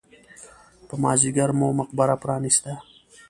په مازیګر مو مقبره پرانېسته.